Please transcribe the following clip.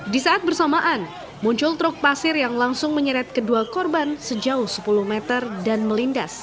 di saat bersamaan muncul truk pasir yang langsung menyeret kedua korban sejauh sepuluh meter dan melindas